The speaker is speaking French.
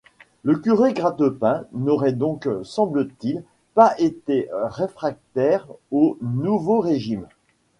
Le curé Grattepain n'aurait donc, semble-t-il, pas été réfractaire au nouveau régime.